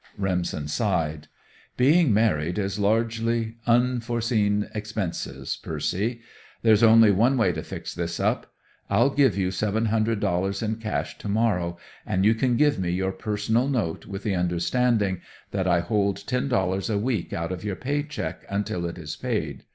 Remsen sighed. "Being married is largely unforeseen expenses, Percy. There's only one way to fix this up: I'll give you seven hundred dollars in cash to morrow, and you can give me your personal note, with the understanding that I hold ten dollars a week out of your pay check until it is paid.